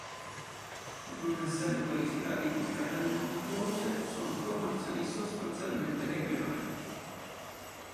Pur non essendo qualificati come catene montuose, sono formazioni sostanzialmente equivalenti.